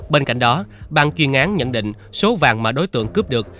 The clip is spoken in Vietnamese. bên cạnh đó bàn chuyên án nhận định số vàng mà đối tượng cướp được